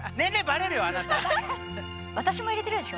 私も入れてるでしょ？